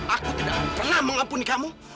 aku tidak pernah mengampuni kamu